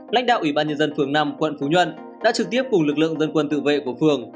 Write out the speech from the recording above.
lãnh đạo ủy ban nhân dân phường năm quận phú nhuận đã trực tiếp cùng lực lượng dân quân tự vệ của phường